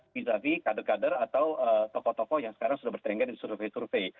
misalnya kader kader atau tokoh tokoh yang sekarang sudah bertengger di survei survei